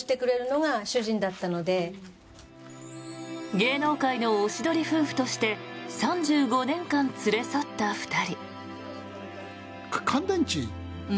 芸能界のおしどり夫婦として３５年間連れ添った２人。